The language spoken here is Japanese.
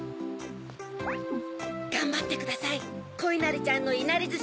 がんばってくださいこいなりちゃんのいなりずし